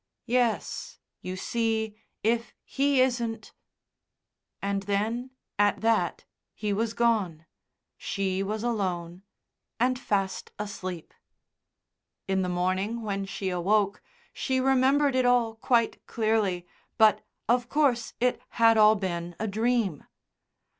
"Yes. You see, if he isn't " and then, at that, he was gone, she was alone and fast asleep. In the morning when she awoke, she remembered it all quite clearly, but, of course, it had all been a dream.